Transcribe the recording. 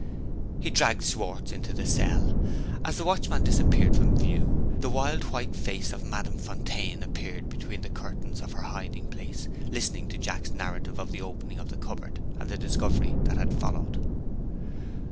He dragged Schwartz into the cell. As the watchman disappeared from view, the wild white face of Madame Fontaine appeared between the curtains of her hiding place, listening to Jack's narrative of the opening of the cupboard, and the discovery that had followed.